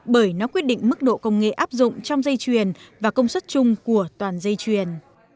bởi nó quyết định mức độ công nghệ áp dụng trong dây chuyền và công suất chung của toàn dây chuyền